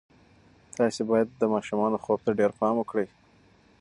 تاسې باید د ماشومانو خوب ته ډېر پام وکړئ.